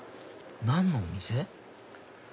何のお店？